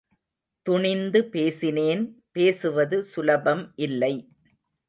துணிந்து பேசினேன் பேசுவது சுலபம் இல்லை.